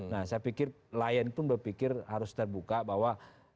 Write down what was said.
nah saya pikir lion pun berpikir harus terbuka bahwa